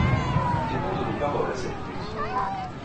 Il dépend de vos paroles, à cette minute!